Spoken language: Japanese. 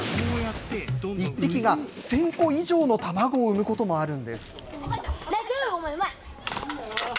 １匹が１０００個以上の卵を産むこともあるんです。